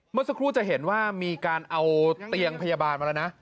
เมื่อสักครู่จะเห็นว่ามีการเอาเตียงพยาบาลมาแล้วนะ